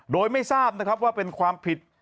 โดยไม่ทราบนะครับว่าเป็นความผิด